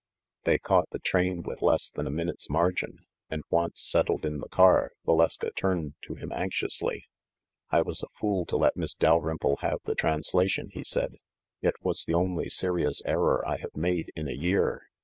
They caught the train with less than a minute's margin; and once settled in the car, Valeska turned to him anxiously. "I was a fool to let Miss Dalrymple have the transla tion!" he said. "It was the only serious error I have made in a year.